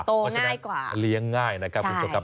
โตง่ายกว่าเพราะฉะนั้นเลี้ยง่ายนะครับคุณสมกรับ